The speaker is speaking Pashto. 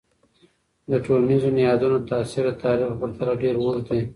د ټولنیزو نهادونو تاثیر د تاریخ په پرتله ډیر اوږد دی.